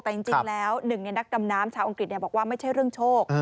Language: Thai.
แต่จริงแล้วหนึ่งในนักดำน้ำชาวอังกฤษบอกว่าไม่ใช่เรื่องโชค